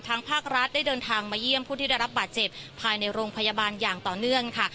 ภาครัฐได้เดินทางมาเยี่ยมผู้ที่ได้รับบาดเจ็บภายในโรงพยาบาลอย่างต่อเนื่องค่ะ